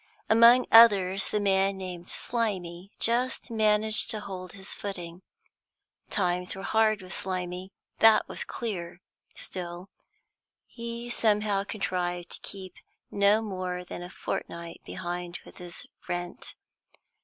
Among others, the man named Slimy just managed to hold his footing. Times were hard with Slimy, that was clear; still, he somehow contrived to keep no more than a fortnight behind with his rent.